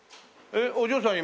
えっお嬢さん